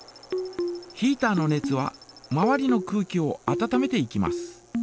ヒータの熱は周りの空気を温めていきます。